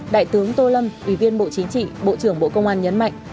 đại tướng tô lâm ủy viên bộ chính trị bộ trưởng bộ công an nhấn mạnh